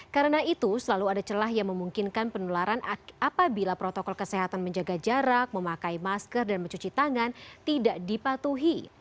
karena itu selalu ada celah yang memungkinkan penularan apabila protokol kesehatan menjaga jarak memakai masker dan mencuci tangan tidak dipatuhi